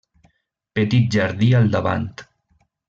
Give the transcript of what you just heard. Petit jardí al davant.